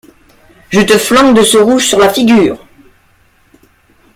Je te flanque de ce rouge sur la figure.